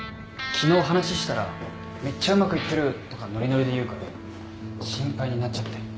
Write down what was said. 昨日話したらめっちゃうまくいってる！とかノリノリで言うから心配になっちゃって。